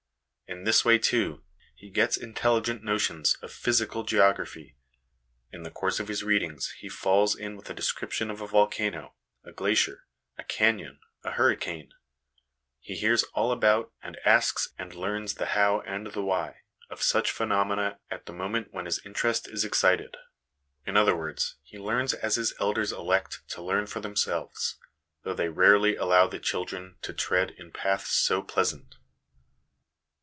In this way, too, he gets intelligent notions of physical geography ; in the course of his readings he falls in with a description of a volcano, a glacier, a canon, a hurricane ; he hears all about, and asks and learns the how and the why, of such phenomena at the moment when his interest 1 See Appendix A, 276 HOME EDUCATION is excited. In other words, he learns as his elders elect to learn for themselves, though they rarely allow the children to tread in paths so pleasant.